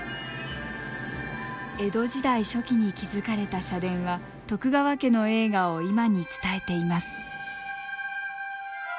江戸時代初期に築かれた社殿は徳川家の栄華を今に伝えています。